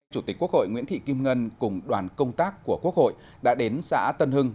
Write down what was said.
chủ tịch quốc hội nguyễn thị kim ngân cùng đoàn công tác của quốc hội đã đến xã tân hưng